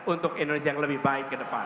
untuk indonesia yang lebih baik kedepan